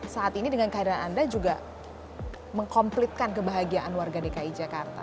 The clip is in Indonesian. saat ini dengan kehadiran anda juga mengkomplitkan kebahagiaan warga dki jakarta